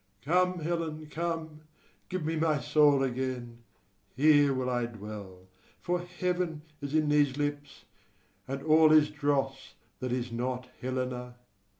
Come, Helen, come, give me my soul again. Here will I dwell, for heaven is in these lips, And all is dross that is not Helena.